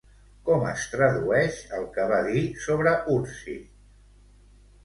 Com es tradueix, el que va dir sobre Urtzi?